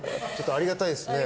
ありがたいです